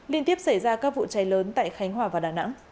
liên tiếp xảy ra các vụ cháy lớn tại khánh hòa và đà nẵng